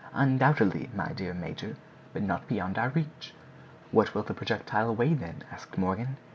"Undoubtedly, my dear major; but not beyond our reach." "What will the projectile weigh then?" asked Morgan.